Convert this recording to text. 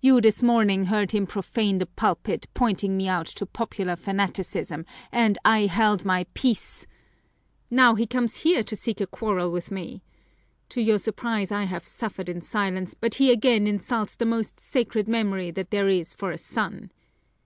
You this morning heard him profane the pulpit, pointing me out to popular fanaticism, and I held my peace! Now he comes here to seek a quarrel with me. To your surprise, I have suffered in silence, but he again insults the most sacred memory that there is for a son.